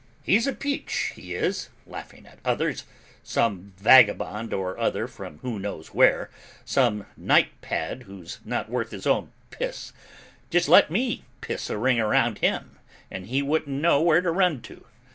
He's a peach, he is, laughing at others; some vagabond or other from who knows where, some night pad who's not worth his own piss: just let me piss a ring around him and he wouldn't know where to run to!